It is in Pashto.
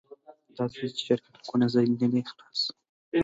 دا هغه څه دي چې شرقي ملکونه ځنې نه دي خلاص.